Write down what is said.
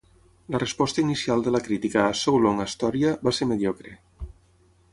La resposta inicial de la crítica a "So Long, Astoria" va ser mediocre.